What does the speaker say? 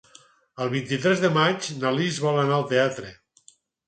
El vint-i-tres de maig na Lis vol anar al teatre.